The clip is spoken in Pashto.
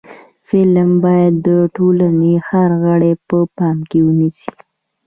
فلم باید د ټولنې هر غړی په پام کې ونیسي